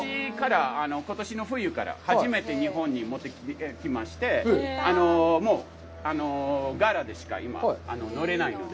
ことしの冬から初めて日本に持ってきまして、ガーラでしか今乗れないので。